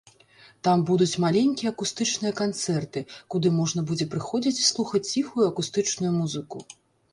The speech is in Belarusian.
Там будуць маленькія акустычныя канцэрты, куды можна будзе прыходзіць і слухаць ціхую акустычную музыку.